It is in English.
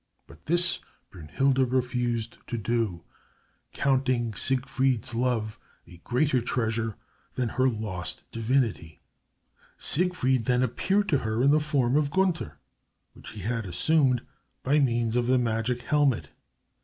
But this Brünnhilde refused to do, counting Siegfried's love a greater treasure than her lost divinity. Siegfried then appeared to her in the form of Gunther, which he had assumed by means of the magic helmet.